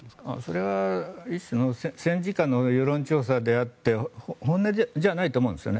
それは一種の戦時下の世論調査であって本音じゃないと思うんですね。